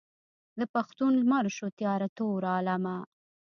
د پښتون لمر شو تیاره تور عالمه.